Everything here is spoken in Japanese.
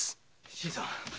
新さん。